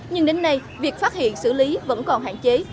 nhưng đến nay việc phát hiện xử lý vẫn còn hạn chế